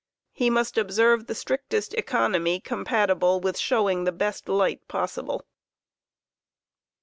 He must observe the strictest economy compati ble with showing the best light possible.